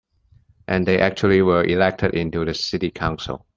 And they actually were elected into the city council.